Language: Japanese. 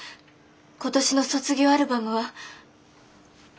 今年の卒業アルバムは。